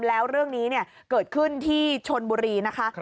แล้วเรื่องนี้เกิดขึ้นที่ชนบุรีนะคะ